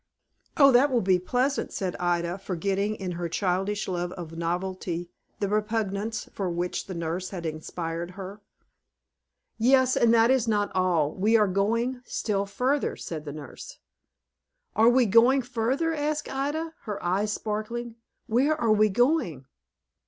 "Oh, that will be pleasant," said Ida, forgetting, in her childish love of novelty, the repugnance with which the nurse had inspired her. "Yes, and that is not all; we are going still further," said the nurse. "Are we going further?" asked Ida, her eyes sparkling. "Where are we going?"